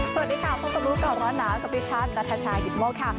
สวัสดีค่ะพบกับร้อนหนาวกับพี่ชันนาธาชาฮิตมกค่ะ